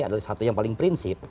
adalah satu yang paling prinsip